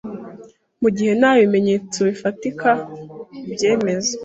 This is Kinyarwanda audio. mu gihe nta bimenyetso bifatika bibyemeza.